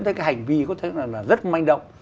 đến cái hành vi rất manh động